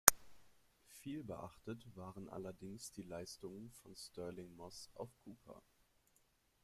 Vielbeachtet waren allerdings die Leistungen von Stirling Moss auf Cooper.